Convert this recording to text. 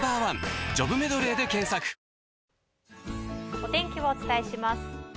お天気をお伝えします。